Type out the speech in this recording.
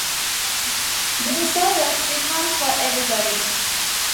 The disorder's different for everybody.